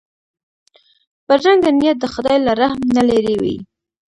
بدرنګه نیت د خدای له رحم نه لیرې وي